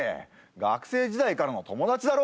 学生時代からの友達だろ？